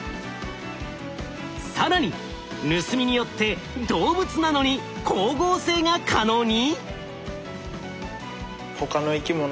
更に盗みによって動物なのに光合成が可能に！？